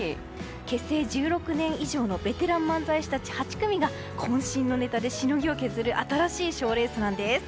結成１６年以上のベテラン漫才師たち８組が渾身のネタでしのぎを削る新しい賞レースです。